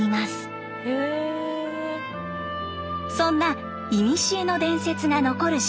そんないにしえの伝説が残る島。